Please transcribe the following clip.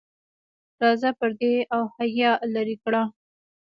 راځه پردې او حیا لرې کړه.